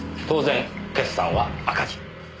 当然決算は赤字。